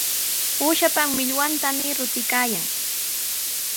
Uushapa millwantami rutuykaayan.